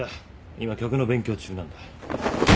今曲の勉強中なんだ。